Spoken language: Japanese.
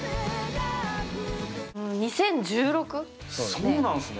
そうなんすね。